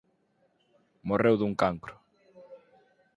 Morreu dun cancro.